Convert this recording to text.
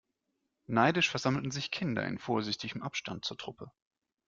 Neidisch versammelten sich Kinder in vorsichtigem Abstand zur Truppe.